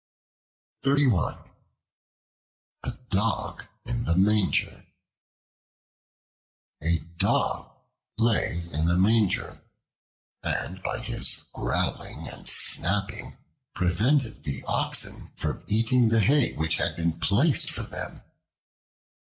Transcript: The Dog in the Manger A DOG lay in a manger, and by his growling and snapping prevented the oxen from eating the hay which had been placed for them.